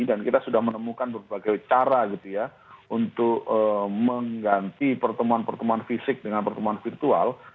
dan kita sudah menemukan berbagai cara gitu ya untuk mengganti pertemuan pertemuan fisik dengan pertemuan virtual